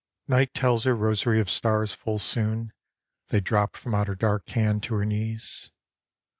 Night tells her rosary of stars full soon, They drop from out her dark hand to her knees.